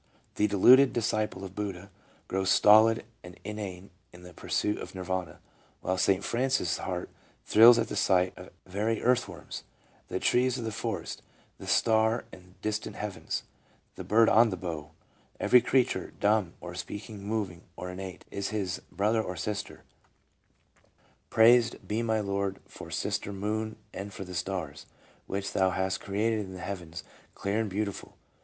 The deluded disciple of Buddha grows stolid and inane in the pursuit of Nirvana, while St. Francis' heart thrills at the sight of the very earth worms ; the trees of the forest, the star in distant heavens, the bird on the bough, every creature, dumb or speaking, moving or inanimate, is his brother or sister : "Praised be my Lord for Sister Moon and for the stars, which thou hast created in the heavens, clear and beautiful.